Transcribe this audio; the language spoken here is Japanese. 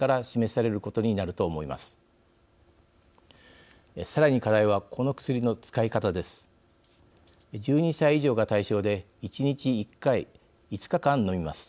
さらに課題はこの薬の使い方です。